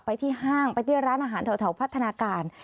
ที่ห้างไปที่ร้านอาหารแถวพัฒนาการ